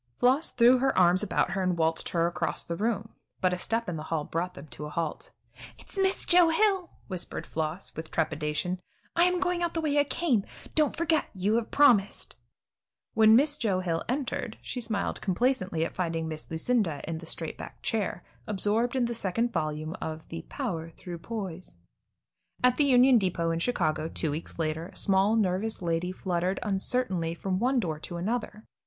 Floss threw her arms about her and waltzed her across the room, but a step in the hall brought them to a halt. "It's Miss Joe Hill," whispered Floss, with trepidation; "I am going out the way I came. Don't you forget; you have promised." When Miss Joe Hill entered, she smiled complacently at finding Miss Lucinda in the straight back chair, absorbed in the second volume of the "Power Through Poise." At the Union Depot in Chicago, two weeks later, a small, nervous lady fluttered uncertainly from one door to another.